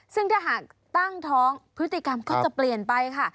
ซึ่งถ้าหากตั้งท้องพฤติกรรมก็จะเปลี่ยนไปค่ะ